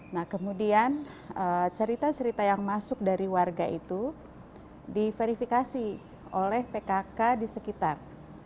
nah kemudian cerita cerita yang masuk dari warga itu diverifikasi oleh pkk di sekitar